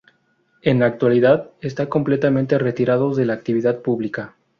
En actualidad esta completamente retirado de la actividad pública.